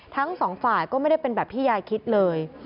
ทั้งสองฝ่ายก็ไม่ได้เป็นแบบที่ยายคิดเลย